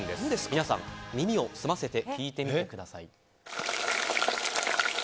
皆さん、耳を澄ませて聞いてみてください。